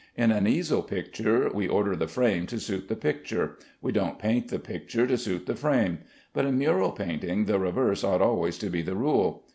In an easel picture we order the frame to suit the picture. We don't paint the picture to suit the frame; but in mural painting the reverse ought always to be the rule.